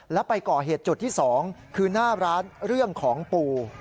แล้วไปก่อเหตุจุดที่๒คือหน้าร้านเรื่องของปู